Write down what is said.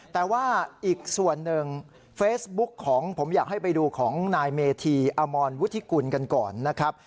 แต่ว่าอีกส่วนหนึ่งเฟซบุ๊กของผมอยากให้ไปดูของนายเมธีอมรวุฒิกุลกันก่อนนะครับ